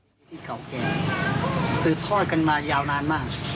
ที่ที่เก่าแก่สืบทอดกันมายาวนานมาก